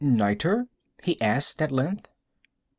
"Nitre?" he asked, at length.